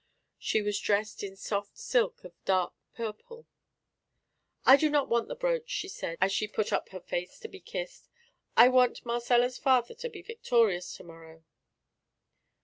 She was dressed in soft silk of dark purple. "I do not want the brooch," she said, as she put up her face to be kissed. "I want Marcella's father to be victorious to morrow."